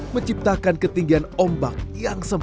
menciptakan ketinggian ombak yang sempurna